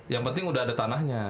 yang penting sudah ada tanahnya